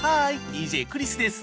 ＤＪクリスです。